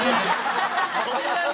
そんなに？